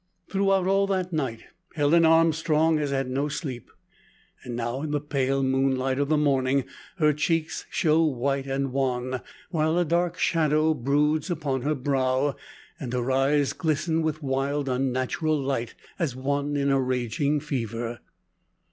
Throughout all that night Helen Armstrong has had no sleep; and now, in the pale moonlight of the morning, her cheeks show white and wan, while a dark shadow broods upon her brow, and her eyes glisten with wild unnatural light, as one in a raging fever.